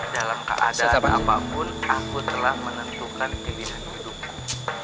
dalam keadaan apapun aku telah menentukan pilihan hidupmu